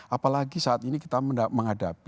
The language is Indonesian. apalagi saat ini kita menghadapi